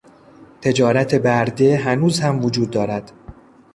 تجارت برده هنوز هم وجود دارد.